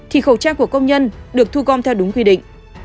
thì khẩu trang của công nhân được thu gom theo đúng quy định